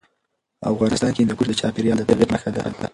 افغانستان کې هندوکش د چاپېریال د تغیر نښه ده.